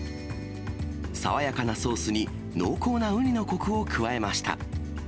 爽やかなソースに、濃厚なウニのこくを加えました。